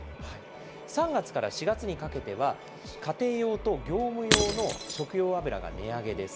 ３月から４月にかけては、家庭用と業務用の食用油が値上げです。